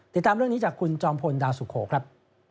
ติดตามเรื่องนี้จากคุณจอมพลดาวสุโขครับ